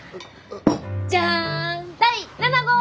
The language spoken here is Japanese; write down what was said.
じゃん第７号！